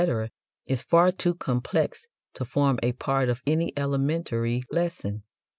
is far too complex to form a part of any elementary lesson.